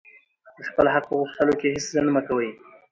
د خپل حق په غوښتلو کښي هېڅ ځنډ مه کوئ!